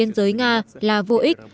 biên giới nga là vô ích